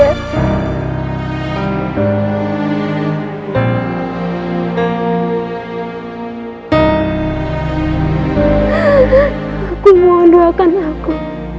aku mohon doakan aku